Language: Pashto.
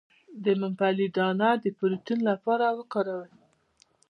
د ممپلی دانه د پروتین لپاره وکاروئ